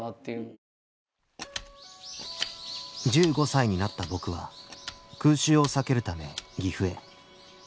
１５歳になった僕は空襲を避けるため岐阜へ。